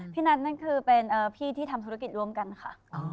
พี่นัทนั่นคือเป็นพี่ที่ทำธุรกิจร่วมกันค่ะ